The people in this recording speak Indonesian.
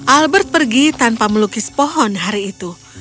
albert pergi tanpa melukis pohon hari itu